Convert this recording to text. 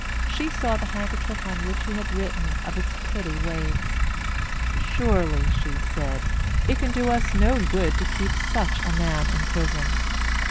She saw the handkerchief on which he had written of its pretty ways. "Surely," she said, "it can do us no good to keep such a man in prison."